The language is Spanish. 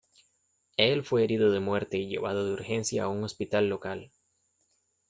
Él fue herido de muerte y llevado de urgencia a un hospital local.